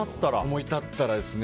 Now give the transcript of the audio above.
思い立ったらですね。